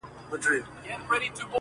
• په لمبو د کوه طور کي نڅېدمه -